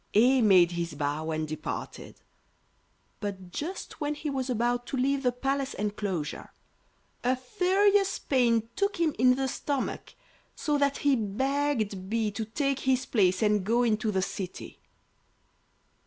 A made his bow and departed, but just when he was about to leave the palace enclosure a furious pain took him in the stomach, so that he begged B to take his place and go into the city.